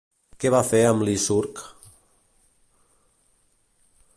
Què va fer amb Licurg?